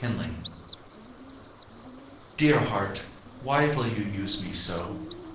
XXIX Dear heart, why will you use me so?